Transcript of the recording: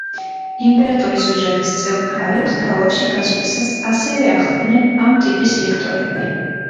იმპერატორის ოჯახის წევს ქალებს ქალაქში გასვლისას ასევე ახლდნენ ამ ტიპის ლიქტორები.